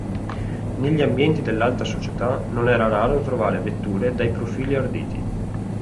Negli ambienti dell'alta società non era raro trovare vetture dai profili arditi.